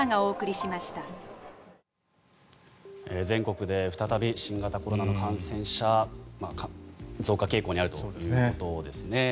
全国で再び新型コロナの感染者が増加傾向にあるということですね。